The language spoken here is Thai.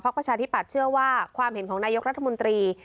ประชาธิปัตย์เชื่อว่าความเห็นของนายกรัฐมนตรี